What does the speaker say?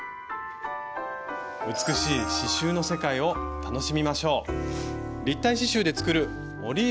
美しい刺しゅうの世界を楽しみましょう！